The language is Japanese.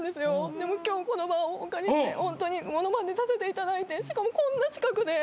でも今日この場をお借りしてモノマネさせていただいてしかもこんな近くで。